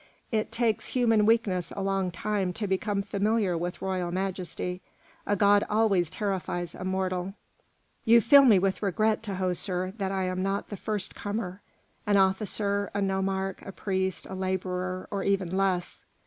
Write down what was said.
It takes human weakness a long time to become familiar with royal majesty; a god always terrifies a mortal." "You fill me with regret, Tahoser, that I am not the first comer, an officer, a nomarch, a priest, a labourer, or even less.